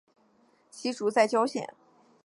其冢在谯县。